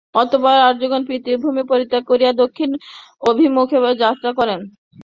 অতঃপর আর্যগণ পিতৃভূমি পরিত্যাগ করিয়া দক্ষিণ অভিমুখে যাত্রা করেন।